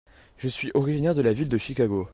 Je suis originaire de la ville de Chicago.